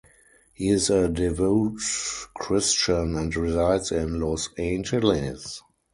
He is a devout Christian and resides in Los Angeles.